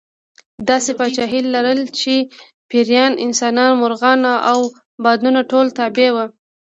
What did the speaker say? داسې پاچاهي یې لرله چې پېریان، انسانان، مرغان او بادونه ټول تابع وو.